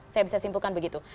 saya bisa simpulkan begitu